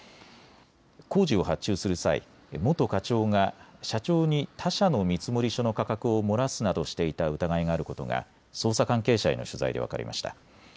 工事を発注する際、元課長が社長に他社の見積書の価格を漏らすなどしていた疑いがあることが捜査関係者への取材で分かりました。